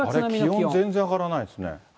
気温、全然上がらないですね。